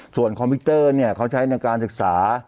ส่วนคอมพิวเตอร์เขาใช้ในการศึกษา